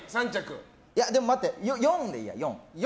でも待って、４でいいや。